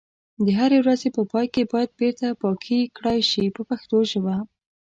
د هرې ورځې په پای کې باید بیرته پاکي کړای شي په پښتو ژبه.